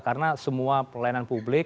karena semua pelayanan publik